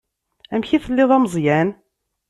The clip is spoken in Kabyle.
Amek i telliḍ a Meẓyan?